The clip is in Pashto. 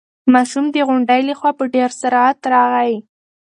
ماشوم د غونډۍ له خوا په ډېر سرعت راغی.